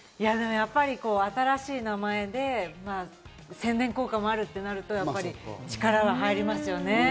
やっぱり新しい名前で宣伝効果もあるってなると力が入りますよね。